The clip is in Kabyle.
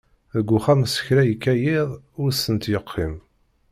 Deg uxxam s kra yekka yiḍ ur tent-yeqqin.